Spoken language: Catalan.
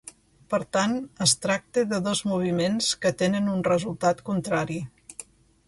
Per tant, es tracta de dos moviments que tenen un resultat contrari.